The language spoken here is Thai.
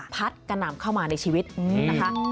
กระหน่ำเข้ามาในชีวิตนะคะ